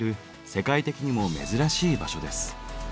世界的にも珍しい場所です。